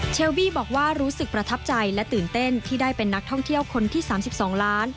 บี้บอกว่ารู้สึกประทับใจและตื่นเต้นที่ได้เป็นนักท่องเที่ยวคนที่๓๒ล้าน